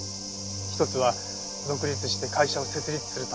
一つは独立して会社を設立するため。